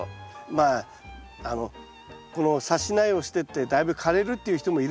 まあこのさし苗をしてってだいぶ枯れるっていう人もいるんですね